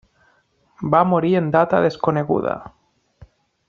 Va morir en data desconeguda.